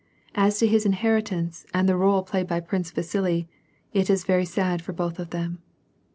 As to his inheritance and the role played by Prince Vasili, it is very sad for both of them.